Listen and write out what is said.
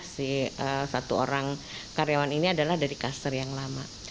si satu orang karyawan ini adalah dari kaster yang lama